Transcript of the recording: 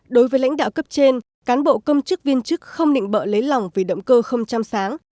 đối với lãnh đạo cấp trên cán bộ công chức viên chức không nịnh bợ lấy lòng vì động cơ không chăm sáng